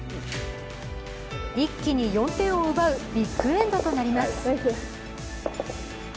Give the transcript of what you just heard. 一気に４点を奪うビッグエンドとなります。